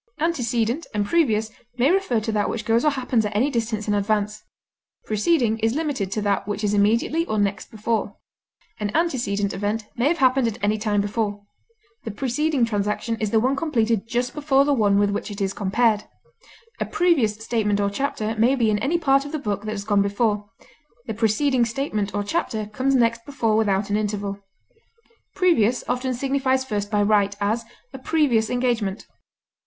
Antecedent and previous may refer to that which goes or happens at any distance in advance, preceding is limited to that which is immediately or next before; an antecedent event may have happened at any time before; the preceding transaction is the one completed just before the one with which it is compared; a previous statement or chapter may be in any part of the book that has gone before; the preceding statement or chapter comes next before without an interval. Previous often signifies first by right; as, a previous engagement.